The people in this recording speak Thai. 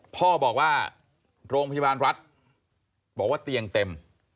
พ่อบอกว่าโรงพยาบาลรัฐบอกว่าเตียงเต็ม